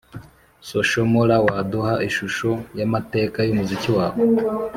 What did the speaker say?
Social Mula, waduha ishusho y’amateka y’umuziki wawe?